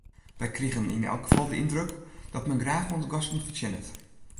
Wy krigen yn elk gefal de yndruk dat men graach oan de gasten fertsjinnet.